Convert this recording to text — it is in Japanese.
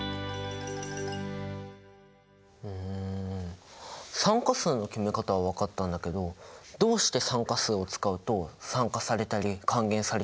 うん酸化数の決め方は分かったんだけどどうして酸化数を使うと酸化されたり還元されたりが分かるの？